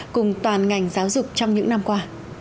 cùng toàn ngành giáo dục trong những năm qua